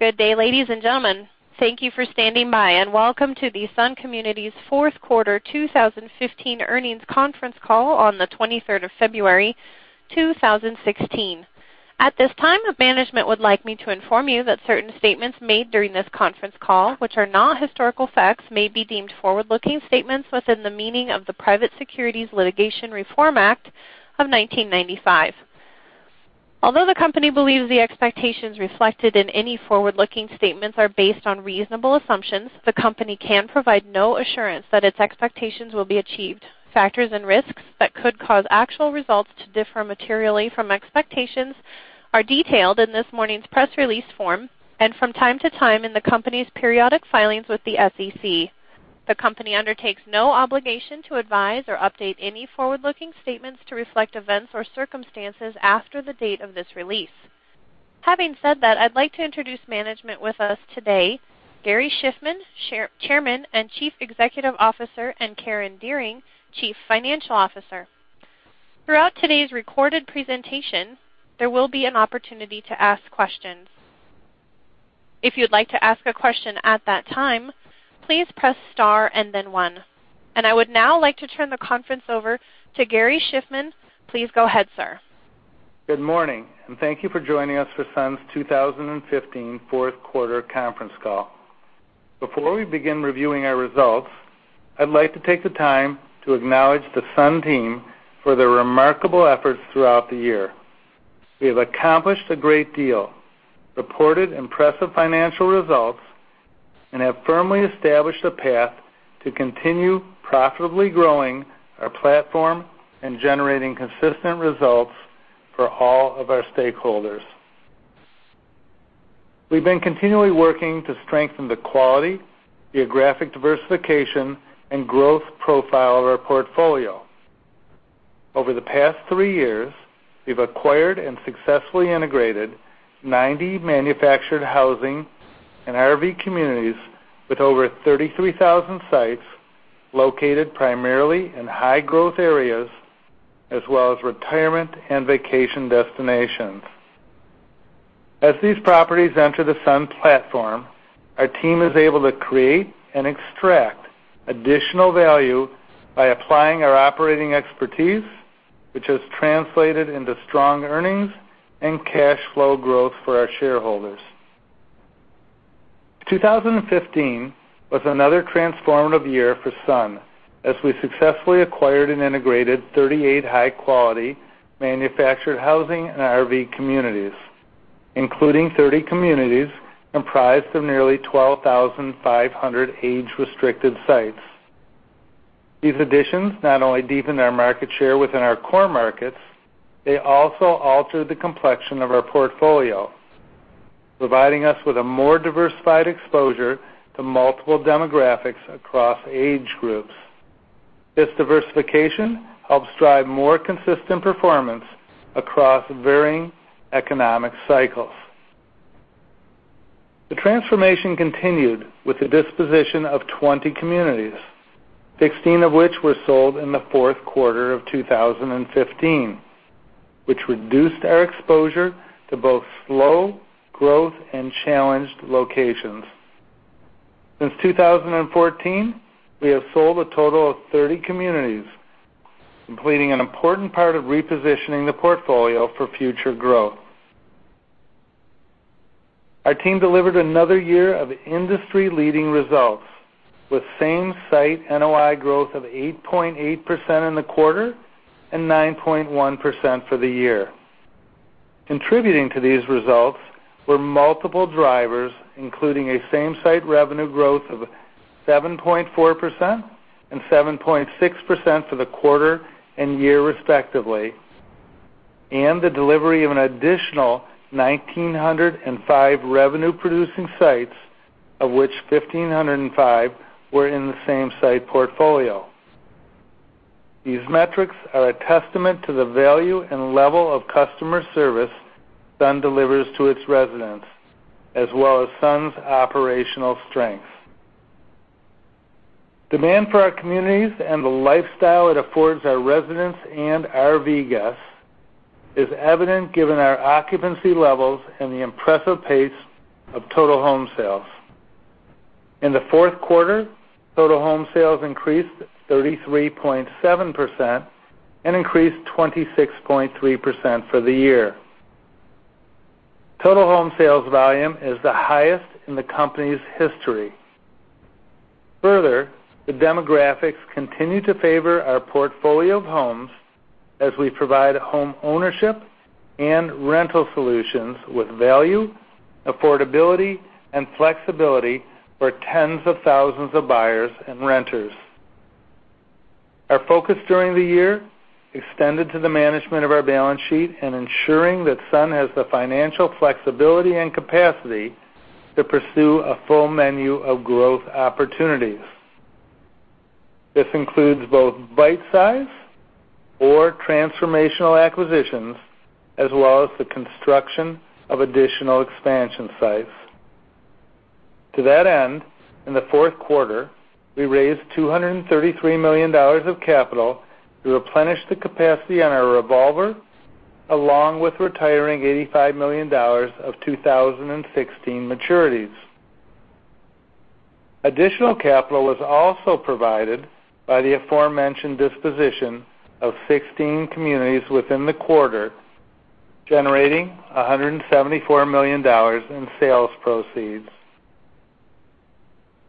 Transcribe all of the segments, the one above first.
Good day, ladies and gentlemen. Thank you for standing by, and welcome to the Sun Communities Fourth Quarter 2015 Earnings Conference Call on the 23rd of February, 2016. At this time, management would like me to inform you that certain statements made during this conference call, which are not historical facts, may be deemed forward-looking statements within the meaning of the Private Securities Litigation Reform Act of 1995. Although the company believes the expectations reflected in any forward-looking statements are based on reasonable assumptions, the company can provide no assurance that its expectations will be achieved. Factors and risks that could cause actual results to differ materially from expectations are detailed in this morning's press release form and from time to time in the company's periodic filings with the SEC. The company undertakes no obligation to advise or update any forward-looking statements to reflect events or circumstances after the date of this release. Having said that, I'd like to introduce management with us today: Gary Shiffman, Chairman and Chief Executive Officer, and Karen Dearing, Chief Financial Officer. Throughout today's recorded presentation, there will be an opportunity to ask questions. If you'd like to ask a question at that time, please press star and then one. I would now like to turn the conference over to Gary Shiffman. Please go ahead, sir. Good morning, and thank you for joining us for Sun's 2015 Fourth Quarter Conference Call. Before we begin reviewing our results, I'd like to take the time to acknowledge the Sun Team for their remarkable efforts throughout the year. We have accomplished a great deal, reported impressive financial results, and have firmly established a path to continue profitably growing our platform and generating consistent results for all of our stakeholders. We've been continually working to strengthen the quality, geographic diversification, and growth profile of our portfolio. Over the past three years, we've acquired and successfully integrated 90 manufactured housing and RV communities with over 33,000 sites located primarily in high-growth areas, as well as retirement and vacation destinations. As these properties enter the Sun platform, our team is able to create and extract additional value by applying our operating expertise, which has translated into strong earnings and cash flow growth for our shareholders. 2015 was another transformative year for Sun, as we successfully acquired and integrated 38 high-quality manufactured housing and RV communities, including 30 communities comprised of nearly 12,500 age-restricted sites. These additions not only deepened our market share within our core markets, they also altered the complexion of our portfolio, providing us with a more diversified exposure to multiple demographics across age groups. This diversification helps drive more consistent performance across varying economic cycles. The transformation continued with the disposition of 20 communities, 16 of which were sold in the fourth quarter of 2015, which reduced our exposure to both slow growth and challenged locations. Since 2014, we have sold a total of 30 communities, completing an important part of repositioning the portfolio for future growth. Our team delivered another year of industry-leading results, with same-site NOI growth of 8.8% in the quarter and 9.1% for the year. Contributing to these results were multiple drivers, including a same-site revenue growth of 7.4% and 7.6% for the quarter and year, respectively, and the delivery of an additional 1,905 revenue-producing sites, of which 1,505 were in the same-site portfolio. These metrics are a testament to the value and level of customer service Sun delivers to its residents, as well as Sun's operational strength. Demand for our communities and the lifestyle it affords our residents and RV guests is evident, given our occupancy levels and the impressive pace of total home sales. In the fourth quarter, total home sales increased 33.7% and increased 26.3% for the year. Total home sales volume is the highest in the company's history. Further, the demographics continue to favor our portfolio of homes, as we provide home ownership and rental solutions with value, affordability, and flexibility for tens of thousands of buyers and renters. Our focus during the year extended to the management of our balance sheet and ensuring that Sun has the financial flexibility and capacity to pursue a full menu of growth opportunities. This includes both bite-size or transformational acquisitions, as well as the construction of additional expansion sites. To that end, in the fourth quarter, we raised $233 million of capital to replenish the capacity on our revolver, along with retiring $85 million of 2016 maturities. Additional capital was also provided by the aforementioned disposition of 16 communities within the quarter, generating $174 million in sales proceeds.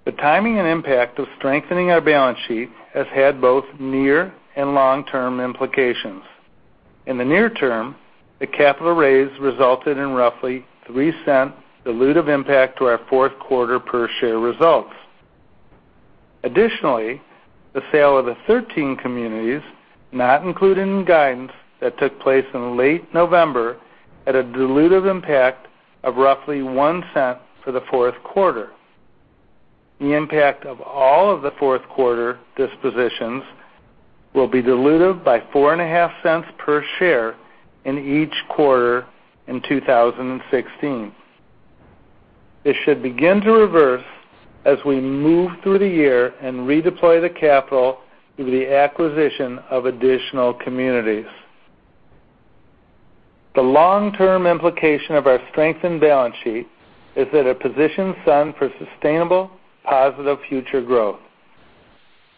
The timing and impact of strengthening our balance sheet has had both near and long-term implications. In the near term, the capital raise resulted in roughly $0.03 dilutive impact to our fourth quarter per-share results. Additionally, the sale of the 13 communities, not included in guidance, that took place in late November had a dilutive impact of roughly $0.01 for the fourth quarter. The impact of all of the fourth quarter dispositions will be dilutive by $0.045 per share in each quarter in 2016. This should begin to reverse as we move through the year and redeploy the capital through the acquisition of additional communities. The long-term implication of our strengthened balance sheet is that it positions Sun for sustainable, positive future growth.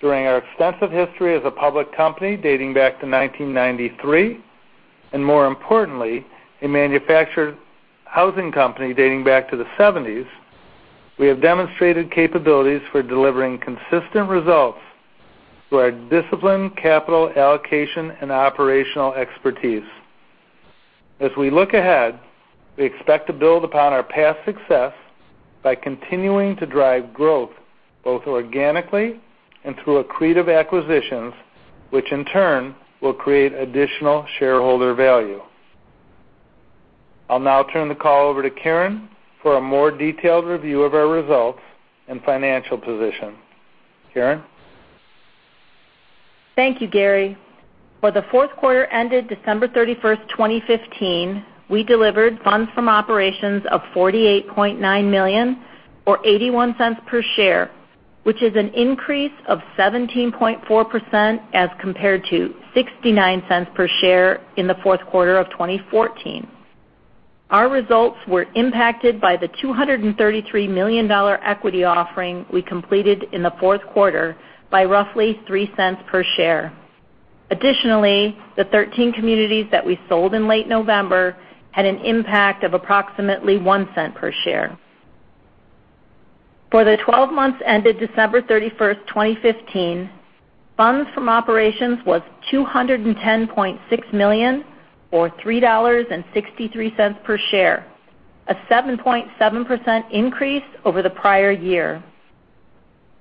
During our extensive history as a public company dating back to 1993, and more importantly, a manufactured housing company dating back to the 1970s, we have demonstrated capabilities for delivering consistent results through our discipline, capital allocation, and operational expertise. As we look ahead, we expect to build upon our past success by continuing to drive growth both organically and through accretive acquisitions, which in turn will create additional shareholder value. I'll now turn the call over to Karen for a more detailed review of our results and financial position. Karen. Thank you, Gary. For the fourth quarter ended December 31, 2015, we delivered funds from operations of $48.9 million, or $0.81 per share, which is an increase of 17.4% as compared to $0.69 per share in the fourth quarter of 2014. Our results were impacted by the $233 million equity offering we completed in the fourth quarter by roughly $0.03 per share. Additionally, the 13 communities that we sold in late November had an impact of approximately $0.01 per share. For the 12 months ended December 31, 2015, funds from operations was $210.6 million, or $3.63 per share, a 7.7% increase over the prior year.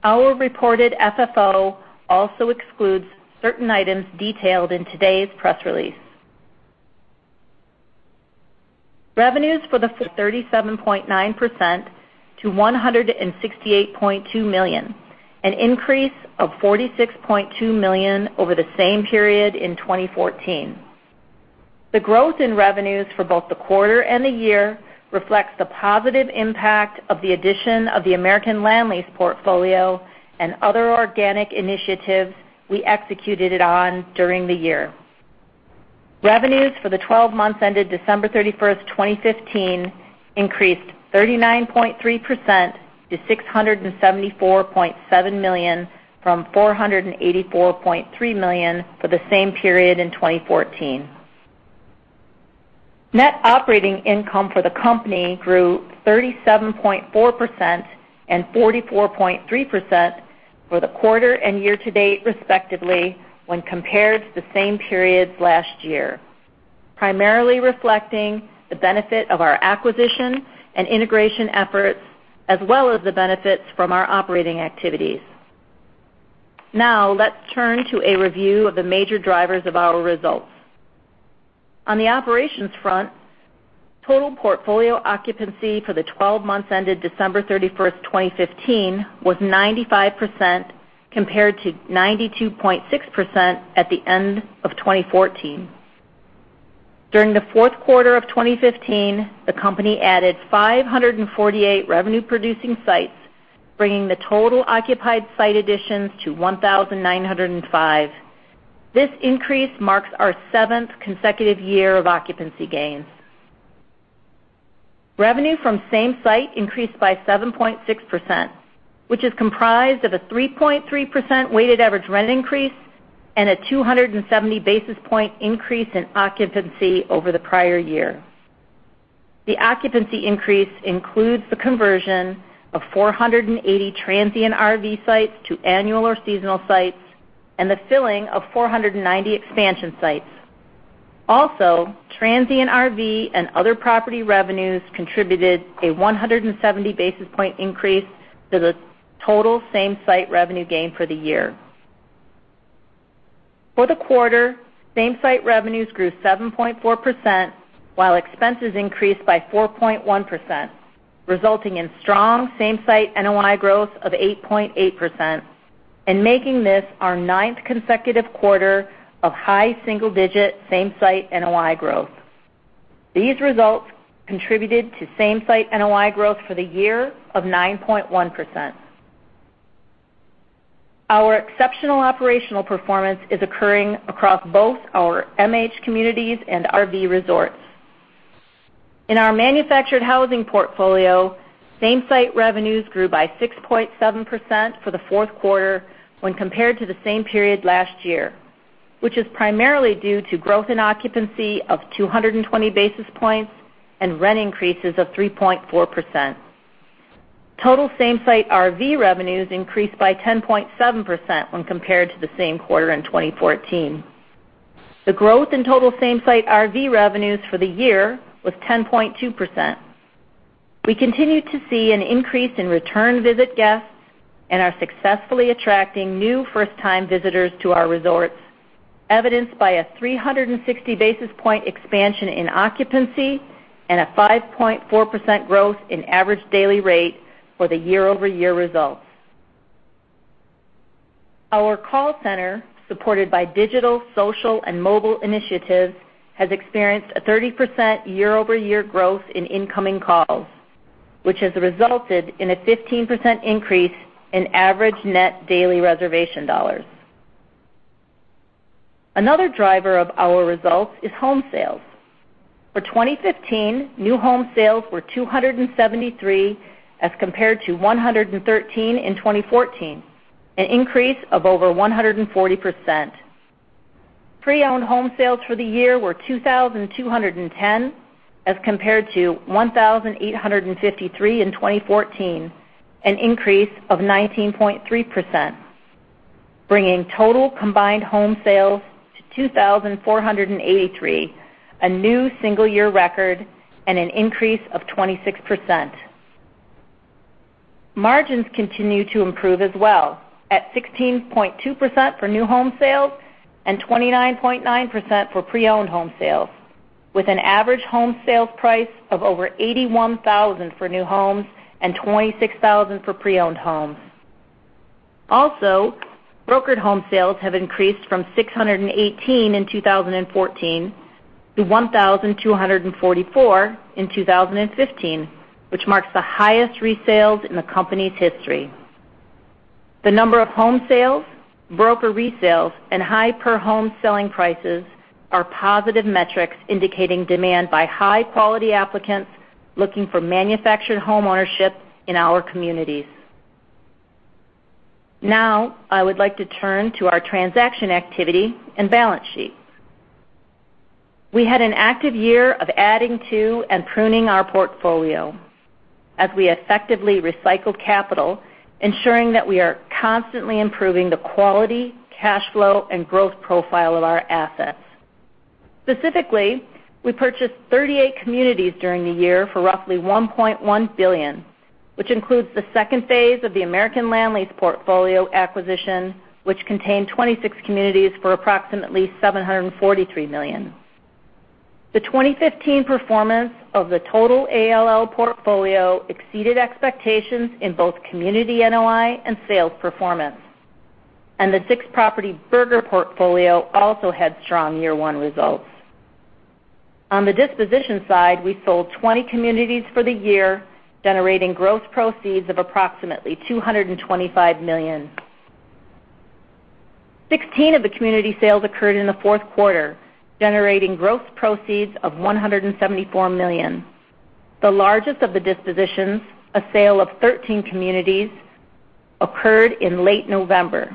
Our reported FFO also excludes certain items detailed in today's press release. Revenues for the quarter increased by 37.9% to $168.2 million, an increase of $46.2 million over the same period in 2014. The growth in revenues for both the quarter and the year reflects the positive impact of the addition of the American Land Lease portfolio and other organic initiatives we executed on during the year. Revenues for the 12 months ended December 31st, 2015, increased 39.3% to $674.7 million from $484.3 million for the same period in 2014. Net operating income for the company grew 37.4% and 44.3% for the quarter and year to date, respectively, when compared to the same period last year, primarily reflecting the benefit of our acquisition and integration efforts, as well as the benefits from our operating activities. Now, let's turn to a review of the major drivers of our results. On the operations front, total portfolio occupancy for the 12 months ended December 31st, 2015, was 95% compared to 92.6% at the end of 2014. During the fourth quarter of 2015, the company added 548 revenue-producing sites, bringing the total occupied site additions to 1,905. This increase marks our seventh consecutive year of occupancy gains. Revenue from same-site increased by 7.6%, which is comprised of a 3.3% weighted average rent increase and a 270 basis point increase in occupancy over the prior year. The occupancy increase includes the conversion of 480 transient RV sites to annual or seasonal sites and the filling of 490 expansion sites. Also, transient RV and other property revenues contributed a 170 basis point increase to the total same-site revenue gain for the year. For the quarter, same-site revenues grew 7.4%, while expenses increased by 4.1%, resulting in strong same-site NOI growth of 8.8% and making this our ninth consecutive quarter of high single-digit same-site NOI growth. These results contributed to same-site NOI growth for the year of 9.1%. Our exceptional operational performance is occurring across both our MH communities and RV resorts. In our manufactured housing portfolio, same-site revenues grew by 6.7% for the fourth quarter when compared to the same period last year, which is primarily due to growth in occupancy of 220 basis points and rent increases of 3.4%. Total same-site RV revenues increased by 10.7% when compared to the same quarter in 2014. The growth in total same-site RV revenues for the year was 10.2%. We continue to see an increase in return visit guests and are successfully attracting new first-time visitors to our resorts, evidenced by a 360 basis point expansion in occupancy and a 5.4% growth in average daily rate for the year-over-year results. Our call center, supported by digital, social, and mobile initiatives, has experienced a 30% year-over-year growth in incoming calls, which has resulted in a 15% increase in average net daily reservation dollars. Another driver of our results is home sales. For 2015, new home sales were 273 as compared to 113 in 2014, an increase of over 140%. Pre-owned home sales for the year were 2,210 as compared to 1,853 in 2014, an increase of 19.3%, bringing total combined home sales to 2,483, a new single-year record and an increase of 26%. Margins continue to improve as well, at 16.2% for new home sales and 29.9% for pre-owned home sales, with an average home sales price of over $81,000 for new homes and $26,000 for pre-owned homes. Also, brokered home sales have increased from 618 in 2014 to 1,244 in 2015, which marks the highest resales in the company's history. The number of home sales, broker resales, and high per-home selling prices are positive metrics indicating demand by high-quality applicants looking for manufactured home ownership in our communities. Now, I would like to turn to our transaction activity and balance sheet. We had an active year of adding to and pruning our portfolio as we effectively recycled capital, ensuring that we are constantly improving the quality, cash flow, and growth profile of our assets. Specifically, we purchased 38 communities during the year for roughly $1.1 billion, which includes the second phase of the American Land Lease portfolio acquisition, which contained 26 communities for approximately $743 million. The 2015 performance of the total ALL portfolio exceeded expectations in both community NOI and sales performance, and the six-property burger portfolio also had strong year-one results. On the disposition side, we sold 20 communities for the year, generating gross proceeds of approximately $225 million. 16 of the community sales occurred in the fourth quarter, generating gross proceeds of $174 million. The largest of the dispositions, a sale of 13 communities, occurred in late November.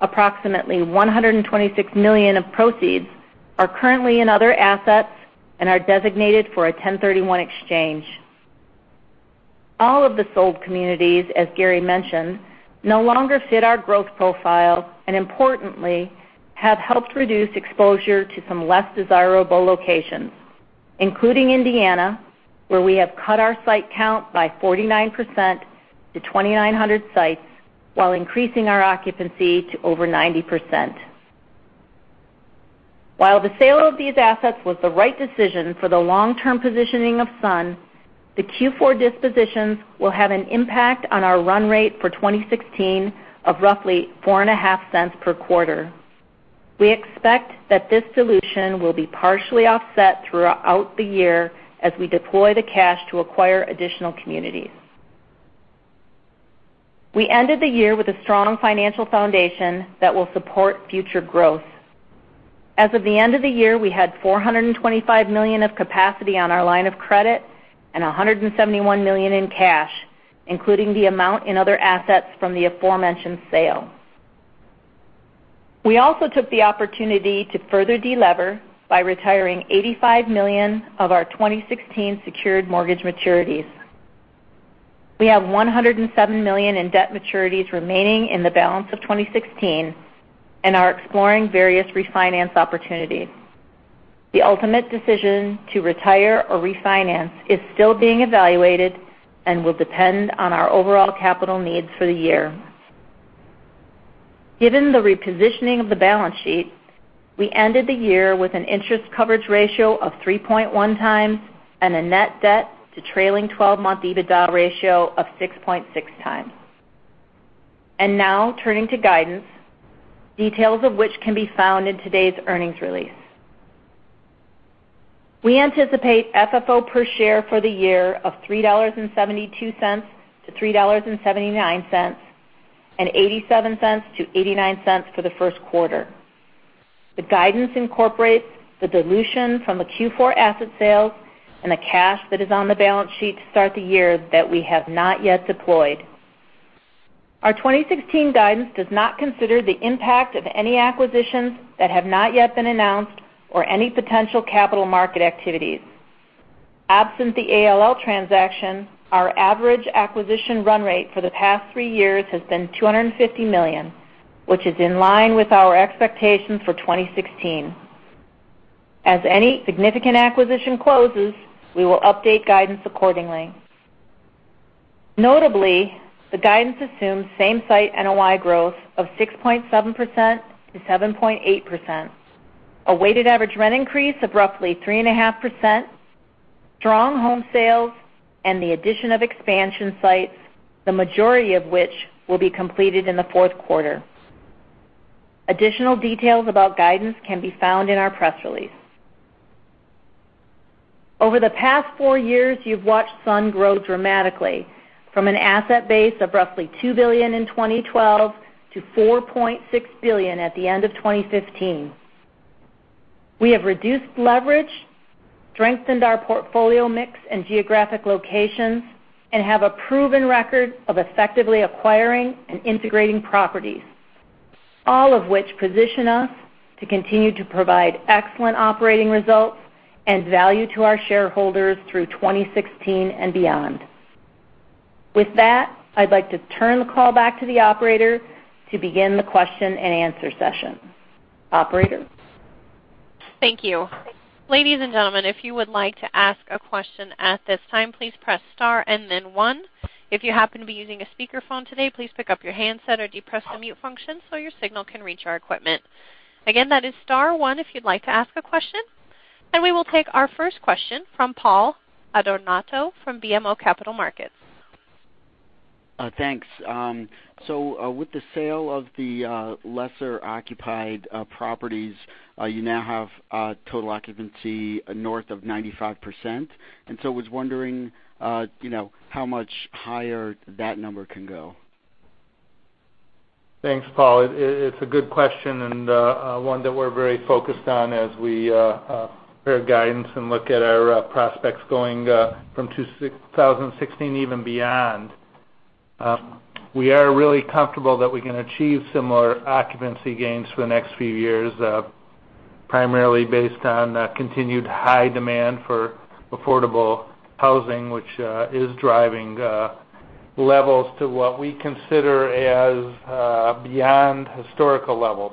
Approximately $126 million of proceeds are currently in other assets and are designated for a 1031 exchange. All of the sold communities, as Gary mentioned, no longer fit our growth profile and, importantly, have helped reduce exposure to some less desirable locations, including Indiana, where we have cut our site count by 49% to 2,900 sites while increasing our occupancy to over 90%. While the sale of these assets was the right decision for the long-term positioning of Sun, the Q4 dispositions will have an impact on our run rate for 2016 of roughly $0.045 per quarter. We expect that this dilution will be partially offset throughout the year as we deploy the cash to acquire additional communities. We ended the year with a strong financial foundation that will support future growth. As of the end of the year, we had $425 million of capacity on our line of credit and $171 million in cash, including the amount in other assets from the aforementioned sale. We also took the opportunity to further delever by retiring $85 million of our 2016 secured mortgage maturities. We have $107 million in debt maturities remaining in the balance of 2016 and are exploring various refinance opportunities. The ultimate decision to retire or refinance is still being evaluated and will depend on our overall capital needs for the year. Given the repositioning of the balance sheet, we ended the year with an interest coverage ratio of 3.1 times and a net debt to trailing 12-month EBITDA ratio of 6.6 times. And now, turning to guidance, details of which can be found in today's earnings release. We anticipate FFO per share for the year of $3.72-$3.79 and $0.87-$0.89 for the first quarter. The guidance incorporates the dilution from the Q4 asset sales and the cash that is on the balance sheet to start the year that we have not yet deployed. Our 2016 guidance does not consider the impact of any acquisitions that have not yet been announced or any potential capital market activities. Absent the ALL transaction, our average acquisition run rate for the past three years has been $250 million, which is in line with our expectations for 2016. As any significant acquisition closes, we will update guidance accordingly. Notably, the guidance assumes same-site NOI growth of 6.7%-7.8%, a weighted average rent increase of roughly 3.5%, strong home sales, and the addition of expansion sites, the majority of which will be completed in the fourth quarter. Additional details about guidance can be found in our press release. Over the past four years, you've watched Sun grow dramatically from an asset base of roughly $2 billion in 2012 to $4.6 billion at the end of 2015. We have reduced leverage, strengthened our portfolio mix and geographic locations, and have a proven record of effectively acquiring and integrating properties, all of which position us to continue to provide excellent operating results and value to our shareholders through 2016 and beyond. With that, I'd like to turn the call back to the operator to begin the question and answer session. Operator. Thank you. Ladies and gentlemen, if you would like to ask a question at this time, please press star and then one. If you happen to be using a speakerphone today, please pick up your handset or depress the mute function so your signal can reach our equipment. Again, that is star one if you'd like to ask a question. We will take our first question from Paul Adornato from BMO Capital Markets. Thanks. So with the sale of the lesser-occupied properties, you now have total occupancy north of 95%. And so I was wondering how much higher that number can go? Thanks, Paul. It's a good question and one that we're very focused on as we prepare guidance and look at our prospects going from 2016 even beyond. We are really comfortable that we can achieve similar occupancy gains for the next few years, primarily based on continued high demand for affordable housing, which is driving levels to what we consider as beyond historical levels.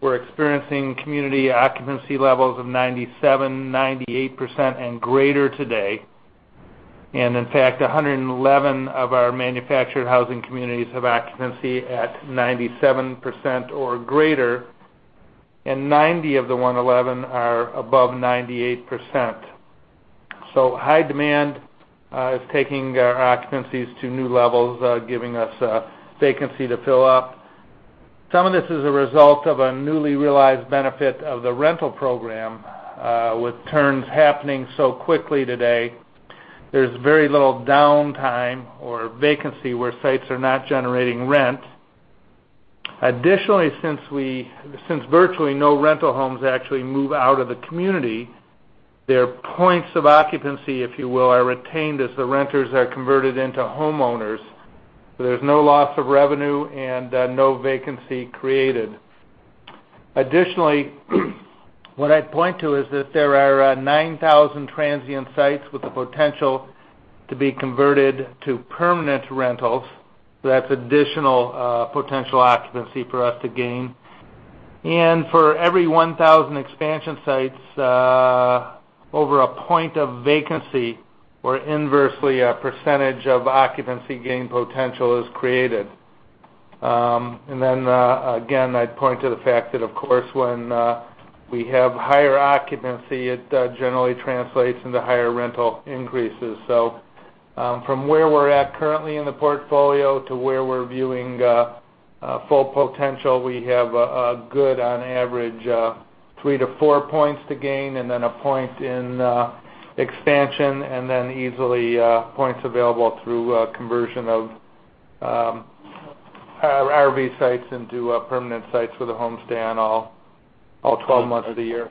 We're experiencing community occupancy levels of 97%, 98%, and greater today. And in fact, 111 of our manufactured housing communities have occupancy at 97% or greater, and 90 of the 111 are above 98%. So high demand is taking our occupancies to new levels, giving us vacancy to fill up. Some of this is a result of a newly realized benefit of the rental program, with turns happening so quickly today. There's very little downtime or vacancy where sites are not generating rent. Additionally, since virtually no rental homes actually move out of the community, their points of occupancy, if you will, are retained as the renters are converted into homeowners. There's no loss of revenue and no vacancy created. Additionally, what I'd point to is that there are 9,000 transient sites with the potential to be converted to permanent rentals. That's additional potential occupancy for us to gain. And for every 1,000 expansion sites, over a point of vacancy or inversely, a percentage of occupancy gain potential is created. And then again, I'd point to the fact that, of course, when we have higher occupancy, it generally translates into higher rental increases. From where we're at currently in the portfolio to where we're viewing full potential, we have a good, on average, 3-4 points to gain and then a point in expansion and then easily points available through conversion of RV sites into permanent sites for the homestay on all 12 months of the year.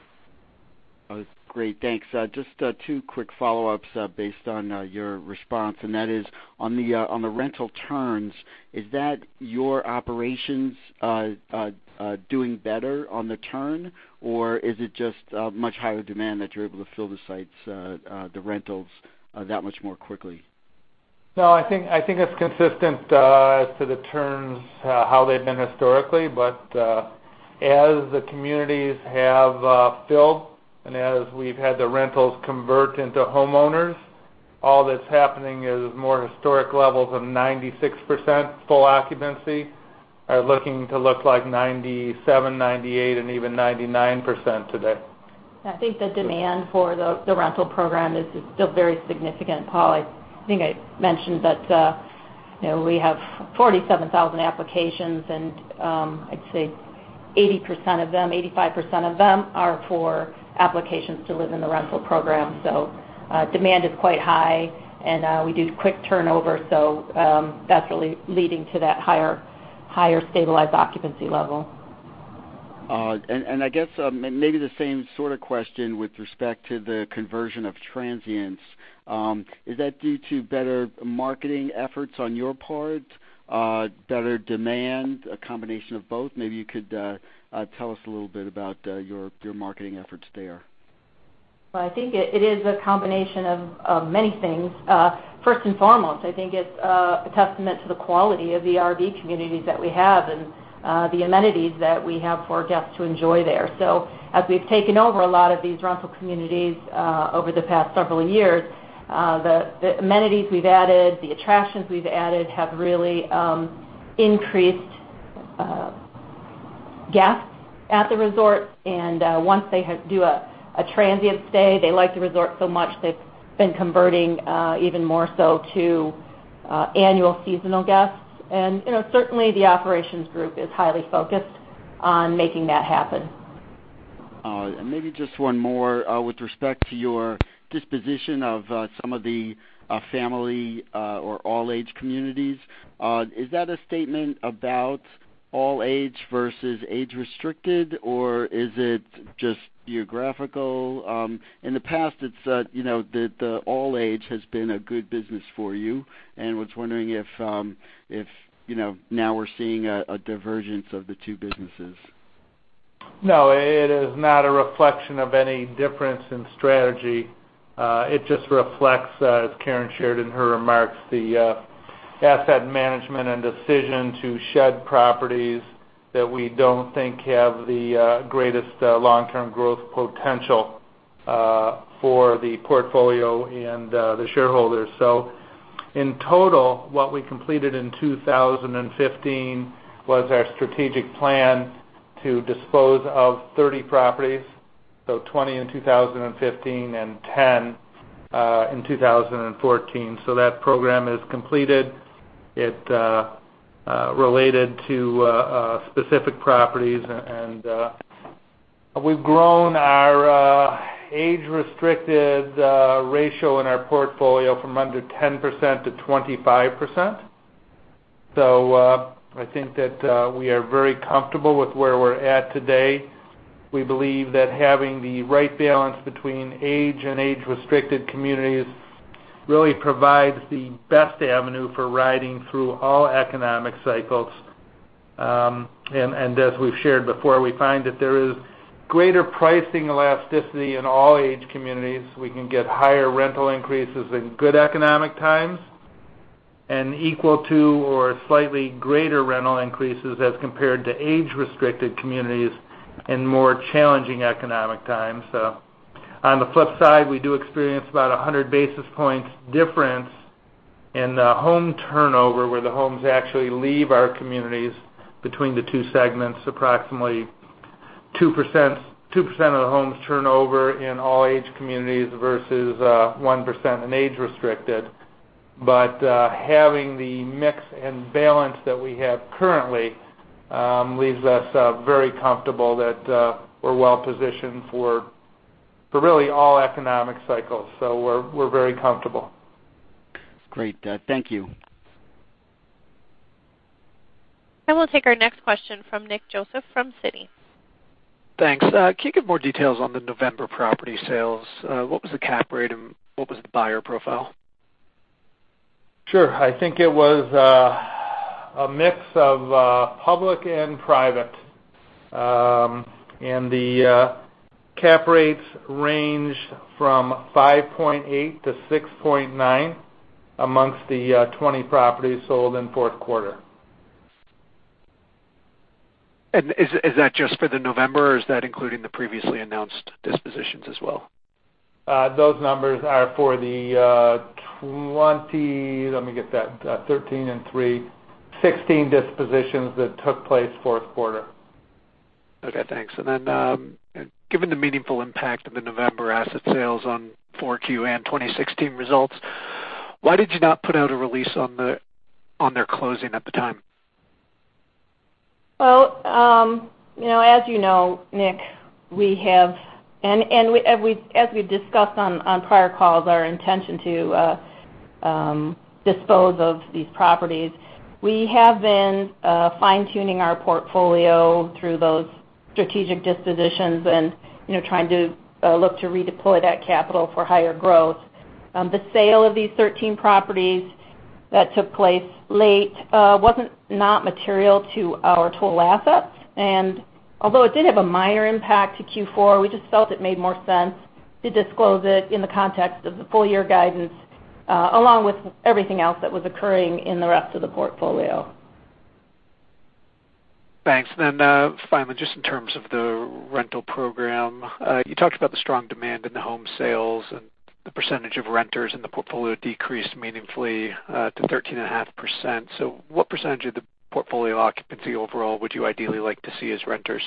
That was great. Thanks. Just two quick follow-ups based on your response. That is, on the rental turns, is that your operations doing better on the turn, or is it just much higher demand that you're able to fill the sites, the rentals, that much more quickly? No, I think it's consistent as to the turns, how they've been historically. But as the communities have filled and as we've had the rentals convert into homeowners, all that's happening is more historic levels of 96% full occupancy are looking to look like 97%, 98%, and even 99% today. I think the demand for the rental program is still very significant, Paul. I think I mentioned that we have 47,000 applications, and I'd say 80% of them, 85% of them are for applications to live in the rental program. So demand is quite high, and we do quick turnover, so that's really leading to that higher stabilized occupancy level. I guess maybe the same sort of question with respect to the conversion of transients. Is that due to better marketing efforts on your part, better demand, a combination of both? Maybe you could tell us a little bit about your marketing efforts there. Well, I think it is a combination of many things. First and foremost, I think it's a testament to the quality of the RV communities that we have and the amenities that we have for our guests to enjoy there. So as we've taken over a lot of these rental communities over the past several years, the amenities we've added, the attractions we've added have really increased guests at the resort. And once they do a transient stay, they like the resort so much, they've been converting even more so to annual seasonal guests. And certainly, the operations group is highly focused on making that happen. Maybe just one more with respect to your disposition of some of the family or all-age communities. Is that a statement about all-age versus age-restricted, or is it just geographical? In the past, it's that the all-age has been a good business for you. And I was wondering if now we're seeing a divergence of the two businesses. No, it is not a reflection of any difference in strategy. It just reflects, as Karen shared in her remarks, the asset management and decision to shed properties that we don't think have the greatest long-term growth potential for the portfolio and the shareholders. In total, what we completed in 2015 was our strategic plan to dispose of 30 properties, so 20 in 2015 and 10 in 2014. That program is completed. It related to specific properties. We've grown our age-restricted ratio in our portfolio from under 10%-25%. I think that we are very comfortable with where we're at today. We believe that having the right balance between age and age-restricted communities really provides the best avenue for riding through all economic cycles. As we've shared before, we find that there is greater pricing elasticity in all-age communities. We can get higher rental increases in good economic times and equal to or slightly greater rental increases as compared to age-restricted communities in more challenging economic times. On the flip side, we do experience about 100 basis points difference in home turnover where the homes actually leave our communities between the two segments, approximately 2% of the homes turn over in all-age communities versus 1% in age-restricted. But having the mix and balance that we have currently leaves us very comfortable that we're well-positioned for really all economic cycles. So we're very comfortable. Great. Thank you. We'll take our next question from Nick Joseph from Citi. Thanks. Can you give more details on the November property sales? What was the cap rate and what was the buyer profile? Sure. I think it was a mix of public and private. The cap rates ranged from 5.8-6.9 among the 20 properties sold in the fourth quarter. Is that just for the November, or is that including the previously announced dispositions as well? Those numbers are for the 20, let me get that, 13 and 3, 16 dispositions that took place fourth quarter. Okay. Thanks. And then given the meaningful impact of the November asset sales on 4Q and 2016 results, why did you not put out a release on their closing at the time? Well, as you know, Nick, we have and as we've discussed on prior calls, our intention to dispose of these properties. We have been fine-tuning our portfolio through those strategic dispositions and trying to look to redeploy that capital for higher growth. The sale of these 13 properties that took place late was not material to our total assets. Although it did have a minor impact to Q4, we just felt it made more sense to disclose it in the context of the full-year guidance along with everything else that was occurring in the rest of the portfolio. Thanks. And then finally, just in terms of the rental program, you talked about the strong demand in the home sales and the percentage of renters in the portfolio decreased meaningfully to 13.5%. So what percentage of the portfolio occupancy overall would you ideally like to see as renters?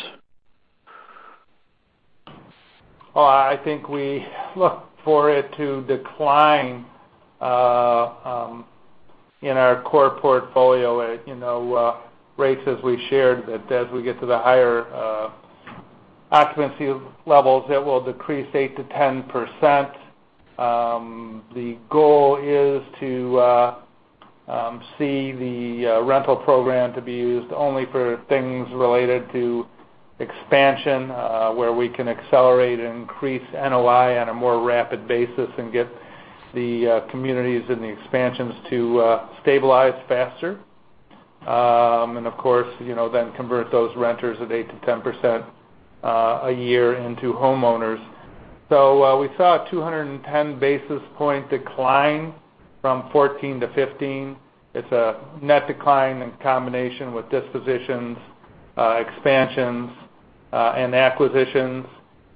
Oh, I think we look for it to decline in our core portfolio rates as we shared that as we get to the higher occupancy levels, it will decrease 8%-10%. The goal is to see the rental program to be used only for things related to expansion where we can accelerate and increase NOI on a more rapid basis and get the communities and the expansions to stabilize faster. And of course, then convert those renters at 8%-10% a year into homeowners. So we saw a 210 basis point decline from 2014-2015. It's a net decline in combination with dispositions, expansions, and acquisitions.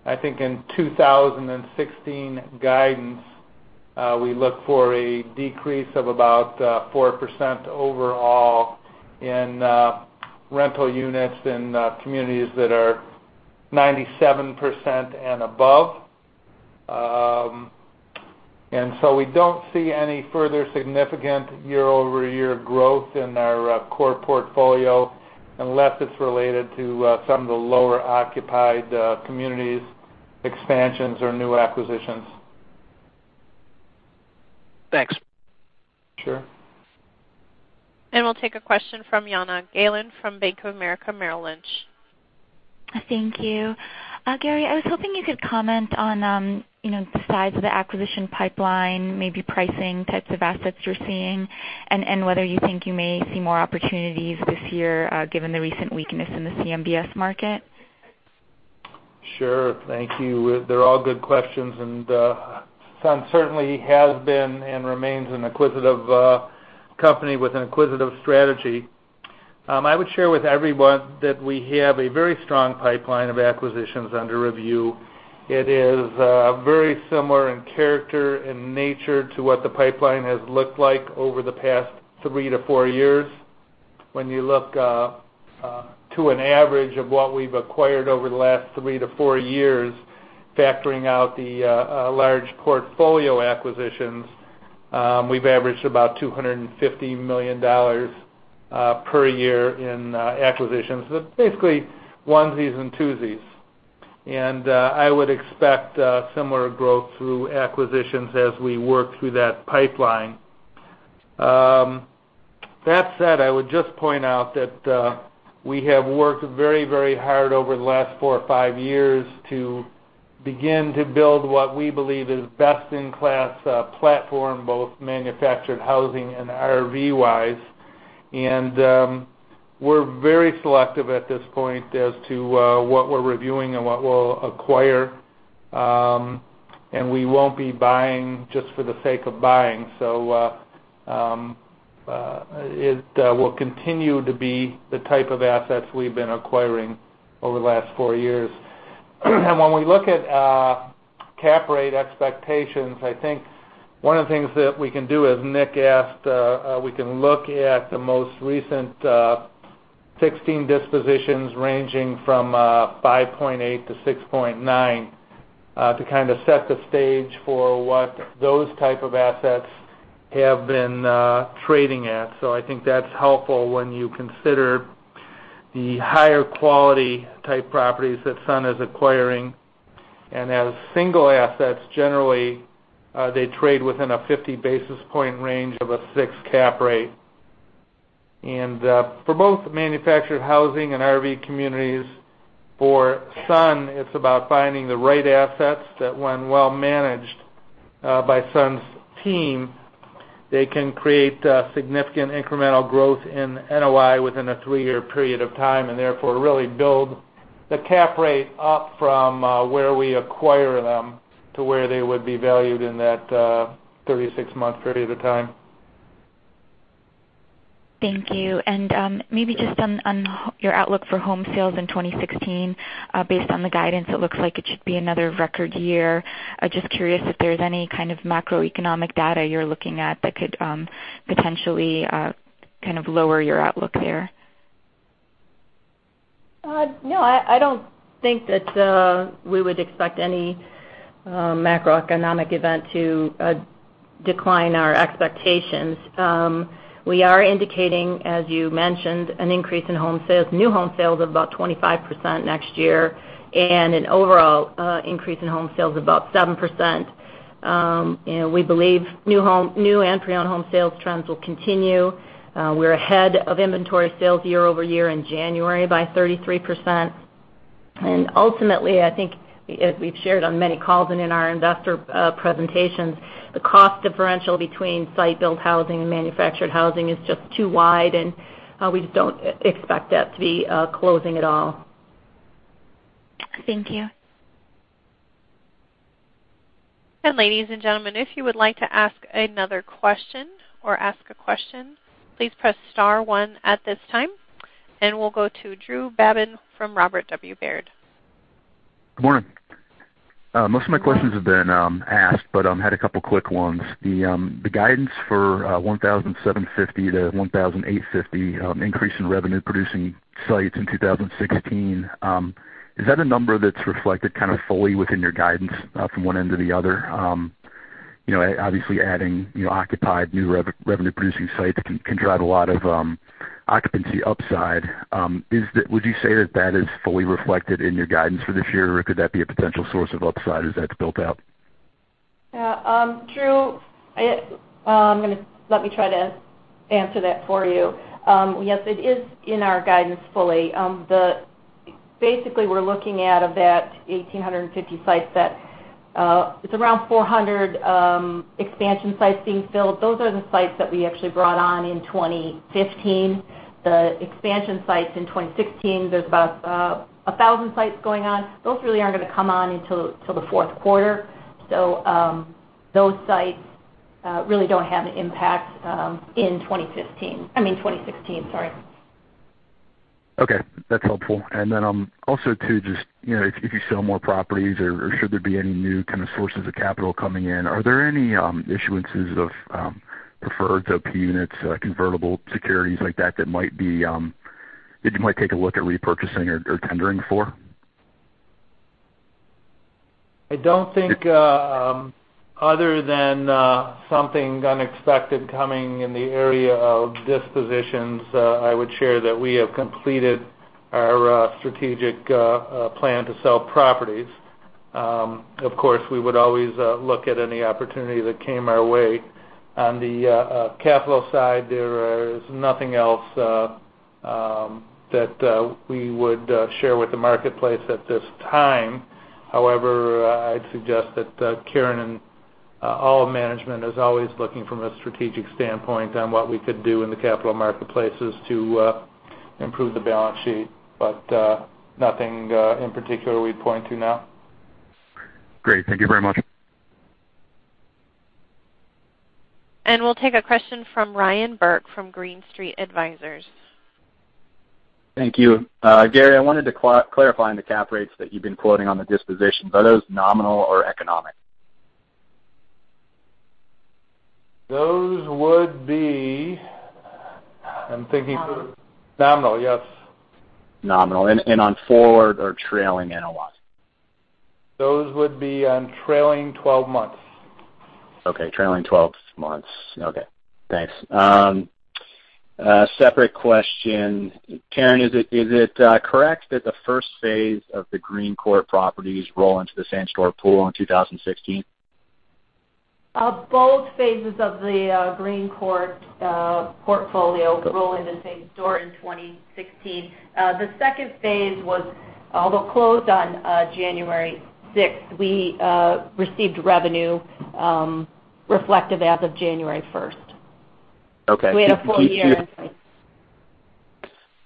I think in 2016 guidance, we look for a decrease of about 4% overall in rental units in communities that are 97% and above. We don't see any further significant year-over-year growth in our core portfolio unless it's related to some of the lower-occupied communities, expansions, or new acquisitions. Thanks. Sure. We'll take a question from Jana Galan from Bank of America, Merrill Lynch. Thank you. Gary, I was hoping you could comment on the size of the acquisition pipeline, maybe pricing types of assets you're seeing, and whether you think you may see more opportunities this year given the recent weakness in the CMBS market. Sure. Thank you. They're all good questions. And Sun certainly has been and remains an acquisitive company with an acquisitive strategy. I would share with everyone that we have a very strong pipeline of acquisitions under review. It is very similar in character and nature to what the pipeline has looked like over the past 3-4 years. When you look to an average of what we've acquired over the last 3-4 years, factoring out the large portfolio acquisitions, we've averaged about $250 million per year in acquisitions. Basically, onesies and twosies. And I would expect similar growth through acquisitions as we work through that pipeline. That said, I would just point out that we have worked very, very hard over the last 4 or 5 years to begin to build what we believe is best-in-class platform, both manufactured housing and RV-wise. We're very selective at this point as to what we're reviewing and what we'll acquire. We won't be buying just for the sake of buying. So it will continue to be the type of assets we've been acquiring over the last four years. When we look at cap rate expectations, I think one of the things that we can do, as Nick asked, we can look at the most recent 16 dispositions ranging from 5.8-6.9 to kind of set the stage for what those type of assets have been trading at. So I think that's helpful when you consider the higher-quality type properties that Sun is acquiring. As single assets, generally, they trade within a 50-basis-point range of a 6 cap rate. For both manufactured housing and RV communities, for Sun, it's about finding the right assets that, when well-managed by Sun's team, they can create significant incremental growth in NOI within a three-year period of time and therefore really build the cap rate up from where we acquire them to where they would be valued in that 36-month period of time. Thank you. And maybe just on your outlook for home sales in 2016, based on the guidance, it looks like it should be another record year. Just curious if there's any kind of macroeconomic data you're looking at that could potentially kind of lower your outlook there? No, I don't think that we would expect any macroeconomic event to decline our expectations. We are indicating, as you mentioned, an increase in new home sales of about 25% next year and an overall increase in home sales of about 7%. We believe new and pre-owned home sales trends will continue. We're ahead of inventory sales year-over-year in January by 33%. Ultimately, I think, as we've shared on many calls and in our investor presentations, the cost differential between site-built housing and manufactured housing is just too wide. We just don't expect that to be closing at all. Thank you. Ladies and gentlemen, if you would like to ask another question or ask a question, please press star one at this time. We'll go to Drew Babin from Robert W. Baird. Good morning. Most of my questions have been asked, but I had a couple of quick ones. The guidance for 1,750-1,850 increase in revenue producing sites in 2016, is that a number that's reflected kind of fully within your guidance from one end to the other? Obviously, adding occupied new revenue-producing sites can drive a lot of occupancy upside. Would you say that that is fully reflected in your guidance for this year, or could that be a potential source of upside as that's built out? Yeah. Drew, let me try to answer that for you. Yes, it is in our guidance fully. Basically, we're looking at about 1,850 sites that it's around 400 expansion sites being filled. Those are the sites that we actually brought on in 2015. The expansion sites in 2016, there's about 1,000 sites going on. Those really aren't going to come on until the fourth quarter. So those sites really don't have an impact in 2016. I mean, 2016, sorry. Okay. That's helpful. And then also too, just if you sell more properties or should there be any new kind of sources of capital coming in, are there any issuances of preferred OP units, convertible securities like that that might be that you might take a look at repurchasing or tendering for? I don't think other than something unexpected coming in the area of dispositions, I would share that we have completed our strategic plan to sell properties. Of course, we would always look at any opportunity that came our way. On the capital side, there is nothing else that we would share with the marketplace at this time. However, I'd suggest that Karen and all management is always looking from a strategic standpoint on what we could do in the capital marketplaces to improve the balance sheet. But nothing in particular we'd point to now. Great. Thank you very much. We'll take a question from Ryan Burke from Green Street Advisors. Thank you. Gary, I wanted to clarify on the cap rates that you've been quoting on the dispositions. Are those nominal or economic? Those would be nominal. Yes. Nominal. And on forward or trailing NOI? Those would be on trailing 12 months. Okay. Trailing 12 months. Okay. Thanks. Separate question. Karen, is it correct that the first phase of the Green Courte properties roll into the Same store pool in 2016? Both phases of the Green Courte portfolio roll into Same store in 2016. The second phase was although closed on January 6th, we received revenue reflective as of January 1st. We had a four-year increase.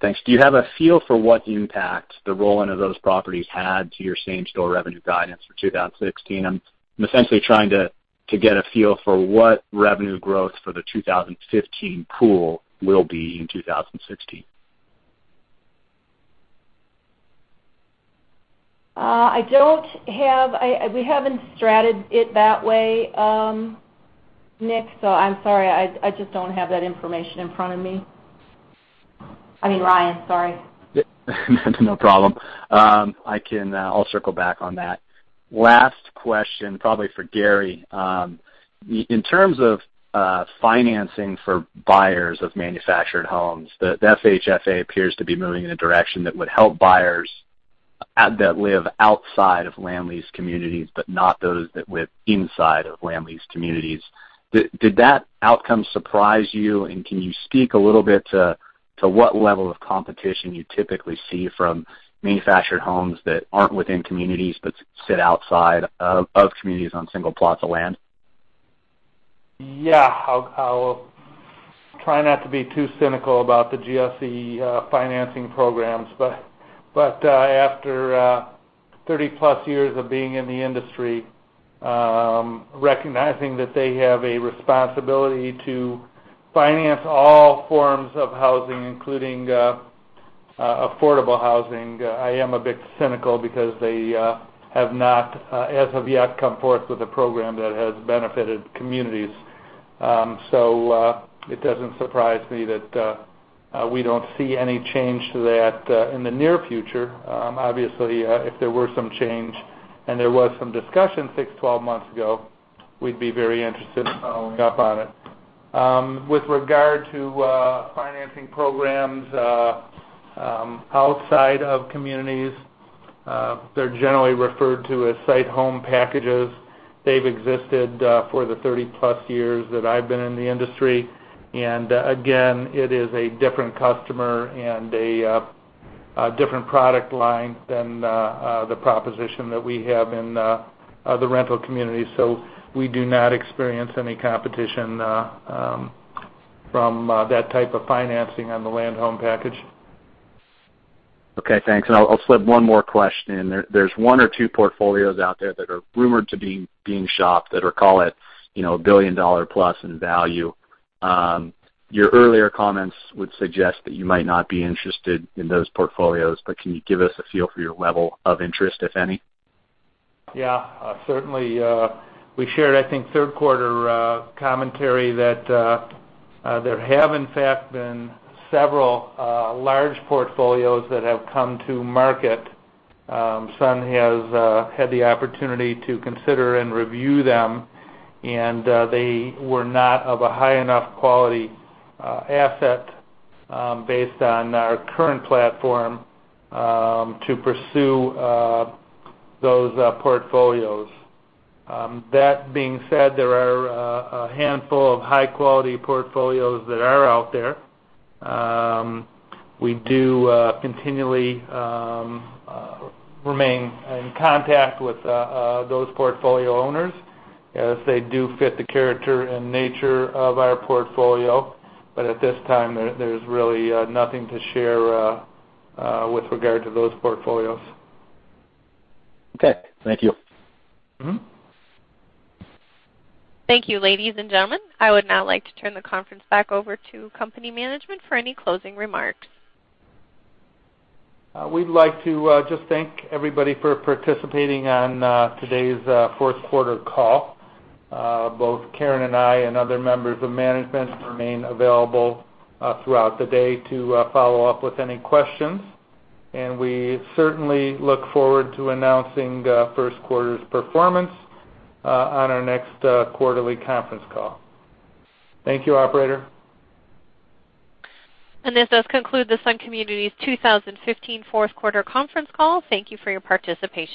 Thanks. Do you have a feel for what impact the rolling of those properties had to your same-store revenue guidance for 2016? I'm essentially trying to get a feel for what revenue growth for the 2015 pool will be in 2016. I don't have. We haven't started it that way, Nick. So I'm sorry. I just don't have that information in front of me. I mean, Ryan, sorry. No problem. I'll circle back on that. Last question, probably for Gary. In terms of financing for buyers of manufactured homes, the FHFA appears to be moving in a direction that would help buyers that live outside of Sun's communities but not those that live inside of Sun's communities. Did that outcome surprise you? And can you speak a little bit to what level of competition you typically see from manufactured homes that aren't within communities but sit outside of communities on single plots of land? Yeah. I'll try not to be too cynical about the GSE financing programs. But after 30-plus years of being in the industry, recognizing that they have a responsibility to finance all forms of housing, including affordable housing, I am a bit cynical because they have not, as of yet, come forth with a program that has benefited communities. So it doesn't surprise me that we don't see any change to that in the near future. Obviously, if there were some change and there was some discussion 6, 12 months ago, we'd be very interested in following up on it. With regard to financing programs outside of communities, they're generally referred to as site home packages. They've existed for the 30-plus years that I've been in the industry. And again, it is a different customer and a different product line than the proposition that we have in the rental community. We do not experience any competition from that type of financing on the land home package. Okay. Thanks. And I'll slip one more question. There's one or two portfolios out there that are rumored to be being shopped that are called a billion-dollar-plus in value. Your earlier comments would suggest that you might not be interested in those portfolios. But can you give us a feel for your level of interest, if any? Yeah. Certainly. We shared, I think, third-quarter commentary that there have, in fact, been several large portfolios that have come to market. Sun has had the opportunity to consider and review them. And they were not of a high-enough quality asset based on our current platform to pursue those portfolios. That being said, there are a handful of high-quality portfolios that are out there. We do continually remain in contact with those portfolio owners as they do fit the character and nature of our portfolio. But at this time, there's really nothing to share with regard to those portfolios. Okay. Thank you. Thank you, ladies and gentlemen. I would now like to turn the conference back over to company management for any closing remarks. We'd like to just thank everybody for participating on today's fourth-quarter call. Both Karen and I and other members of management remain available throughout the day to follow up with any questions. We certainly look forward to announcing first quarter's performance on our next quarterly conference call. Thank you, operator. This does conclude the Sun Communities 2015 fourth quarter conference call. Thank you for your participation.